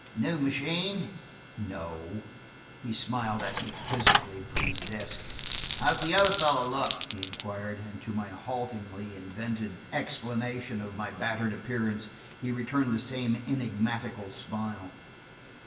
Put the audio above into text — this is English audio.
"New machine?" "No." He smiled at me quizzically from his desk. "How does the other fellow look?" he inquired, and to my haltingly invented explanation of my battered appearance, he returned the same enigmatical smile.